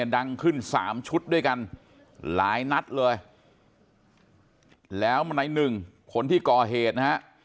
ดังขึ้นสามชุดด้วยกันหลายนัดเลยแล้วในหนึ่งคนที่ก่อเหตุนะฮะ